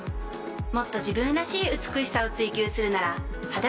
もっと自分らしい「美しさ」を追求するなら「肌分析」！